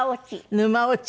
沼落ち？